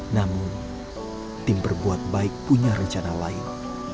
namun tim berbuat baik punya rencana lain